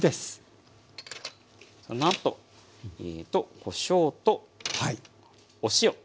そのあとこしょうとお塩。